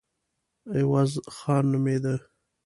عوض خان نومېده.